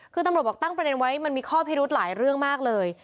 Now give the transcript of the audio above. คือตำรวจบอกตั้งประเด็นไว้มันมีข้อพิรุธหลายเรื่องมากเลย